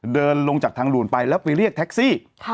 เดินลงจากทางด่วนไปแล้วไปเรียกแท็กซี่